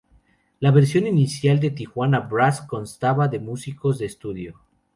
La versión inicial de Tijuana Brass constaba de músicos de estudio.